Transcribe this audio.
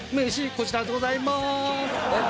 こちらでございます。